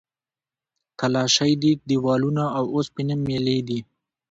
تلاشۍ دي، دیوالونه او اوسپنې میلې دي.